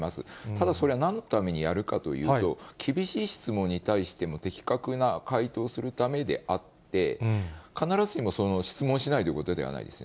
ただ、それは何のためにやるかというと、厳しい質問に対しても的確な回答をするためであって、必ずしも質問しないということではないです。